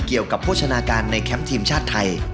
เกี่ยวกับโภชนาการในแคมป์ทีมชาติไทย